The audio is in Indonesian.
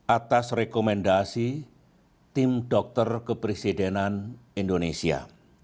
atas rekomendasi tim dokter kepresidenan indonesia